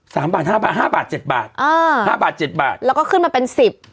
สามบาทห้าบาทห้าบาทเจ็ดบาทอ่าห้าบาทเจ็ดบาทแล้วก็ขึ้นมาเป็นสิบ